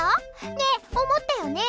ねえ、思ったよね。